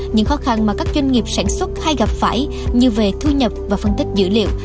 những khó khăn mà các doanh nghiệp sản xuất hay gặp phải như về thu nhập và phân tích dữ liệu